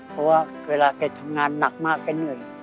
เพราะว่าเวลาแกทำงานหนักมากแกเหนื่อย